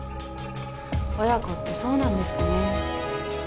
親子ってそうなんですかね？